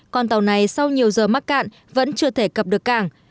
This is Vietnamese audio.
con tàu này sau nhiều giờ mắc cạn vẫn chưa thể cập được cảng